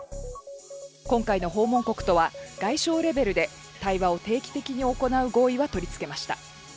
今回の訪問国とは外相レベルで対話を定期的に行う合意は取り付けました。